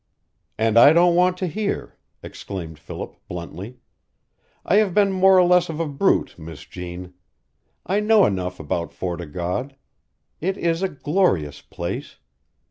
"And I don't want to hear," exclaimed Philip, bluntly. "I have been more or less of a brute, Miss Jeanne. I know enough about Fort o' God. It is a glorious place.